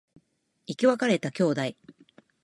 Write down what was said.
生き別れた兄弟